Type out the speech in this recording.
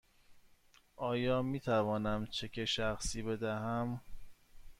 آیا می توانم چک شخصی بدهم؟